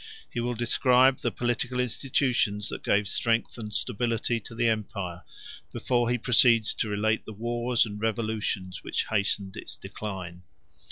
He will describe the political institutions that gave strength and stability to the empire, before he proceeds to relate the wars and revolutions which hastened its decline.